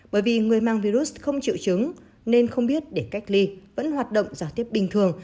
bởi vì người mang virus không chịu chứng nên không biết để cách ly vẫn hoạt động giả tiếp bình thường